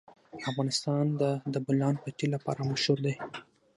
افغانستان د د بولان پټي لپاره مشهور دی.